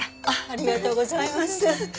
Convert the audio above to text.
ありがとうございます。